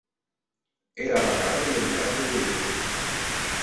Era vacada ei en prat de dejós.